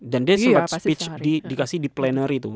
dan dia sempet speech dikasih di plenary tuh